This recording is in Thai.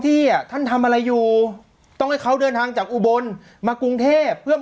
อ่ะท่านทำอะไรอยู่ต้องให้เขาเดินทางจากอุบลมากรุงเทพเพื่อ